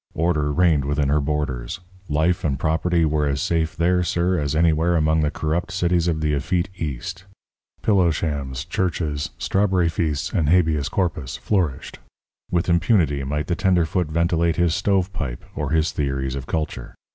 Order reigned within her borders. Life and property were as safe there, sir, as anywhere among the corrupt cities of the effete East. Pillow shams, churches, strawberry feasts and habeas corpus flourished. With impunity might the tenderfoot ventilate his "stovepipe" or his theories of culture.